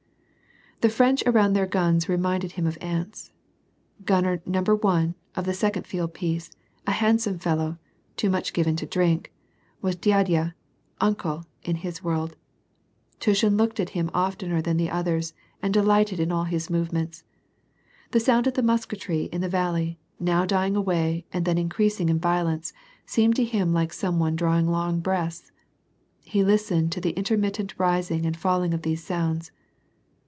The French around their guns reminded him of ants. Gun ner " Number one," of the second field piece, a handsome fel low, too much given to drink, was dyadya, uncle, in his world ; Tushin looked at him of tener than at the others, and delighted in all his movements. The sound of the musketry in the val ley, now dying away and then increasing in violence, seemed to him like some one drawing long breaths. He listened to the intermittent rising and falling of these sounds.